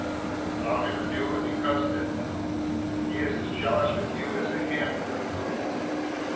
You flout him anew, and because of it. He is as jealous with you as a hen with her brood."